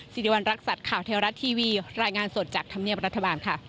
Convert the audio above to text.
สิริวัณรักษัตริย์ข่าวเทวรัฐทีวีรายงานสดจากธรรมเนียบรัฐบาลค่ะ